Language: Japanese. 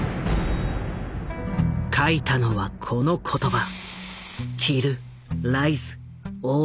書いたのはこの言葉。